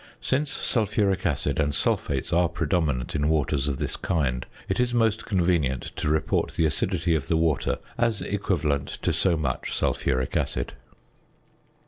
Since sulphuric acid and sulphates are predominant in waters of this kind, it is most convenient to report the acidity of the water as equivalent to so much sulphuric acid.